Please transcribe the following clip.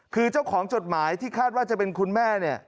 คือเจ้าของจดหมายที่คาดว่าจะเป็นคุณแม่เนี่ย